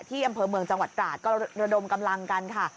อำเภอเมืองจังหวัดตราดก็ระดมกำลังกันค่ะ